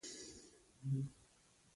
د ټولنې لویو فکرونو لوری ورکوي